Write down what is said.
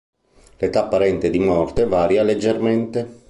L'eta apparente di Morte varia leggermente.